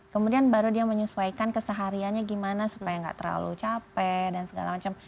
kemudian baru dia menyesuaikan kesehariannya gimana supaya nggak terlalu capek dan segala macam